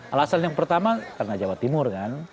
alasan yang pertama karena jawa timur kan